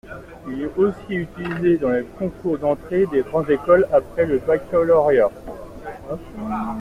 Il est aussi utilisé dans les concours d'entrée des grandes écoles après le baccalauréat.